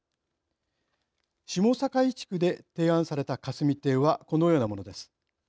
下境地区で提案された霞堤はこのようなものです。